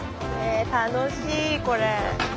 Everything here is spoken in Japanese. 楽しいこれ。